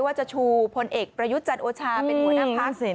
ว่าจะชูพลเอกประยุทธ์จันโอชาเป็นหัวหน้าพัก